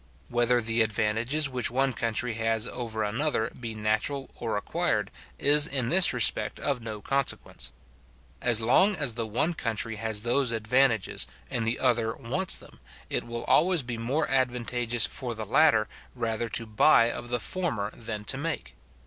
Whether the advantages which one country has over another be natural or acquired, is in this respect of no consequence. As long as the one country has those advantages, and the other wants them, it will always be more advantageous for the latter rather to buy of the former than to make.